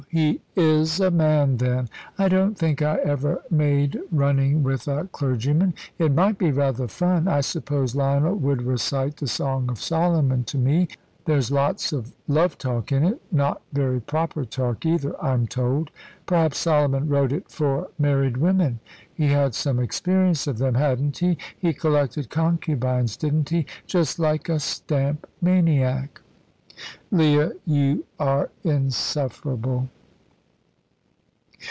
He is a man, then. I don't think I ever made running with a clergyman; it might be rather fun. I suppose Lionel would recite the Song of Solomon to me there's lots of love talk in it. Not very proper talk, either, I'm told. Perhaps Solomon wrote it for married women; he had some experience of them, hadn't he? He collected concubines, didn't he? just like a stamp maniac." "Leah, you're insufferable."